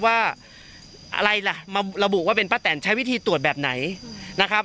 ว่าอะไรล่ะมาระบุว่าเป็นป้าแตนใช้วิธีตรวจแบบไหนนะครับ